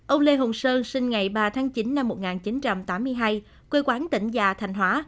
ông lê hùng sơn sinh ngày ba tháng chín năm một nghìn chín trăm tám mươi hai quê quán tỉnh gia thành hóa